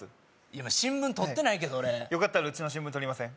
いや新聞とってないけど俺よかったらうちの新聞とりません？